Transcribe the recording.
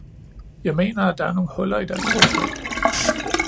Jeg mener, at der er nogle huller i deres forslag.